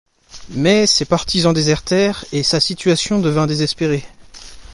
Mais ses partisans désertèrent, et sa situation devint désespérée.